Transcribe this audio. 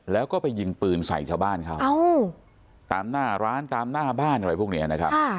แล้วก็ไปยิงปืนใส่ชาวบ้านเขาตามหน้าร้านตามหน้าบ้านอะไรพวกนี้นะครับ